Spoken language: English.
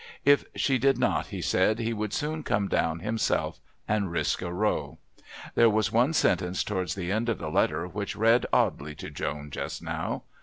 If she did not, he said, he would soon come down himself and risk a row. There was one sentence towards the end of the letter which read oddly to Joan just now.